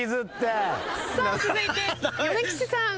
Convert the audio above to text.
さあ続いて米吉さん。